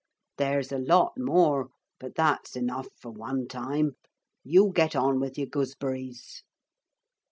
There's a lot more, but that's enough for one time. You get on with your gooseberries.'